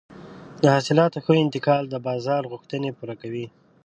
د حاصلاتو ښه انتقال د بازار غوښتنې پوره کوي.